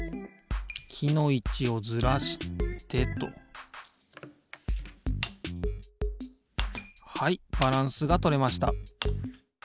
きのいちをずらしてとはいバランスがとれました